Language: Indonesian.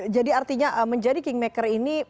jadi artinya menjadi king maker ini